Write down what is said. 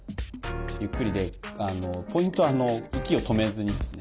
ゆっくりでポイントは息を止めずにですね